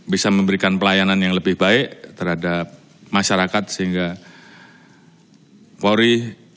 bisa memberikan pelayanan yang lebih baik terhadap masyarakat sehingga polri